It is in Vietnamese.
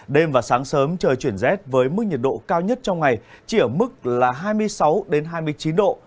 đêm và sáng sớm trời chuyển rét với mức nhiệt độ cao nhất trong ngày chỉ ở mức là hai mươi sáu hai mươi chín độ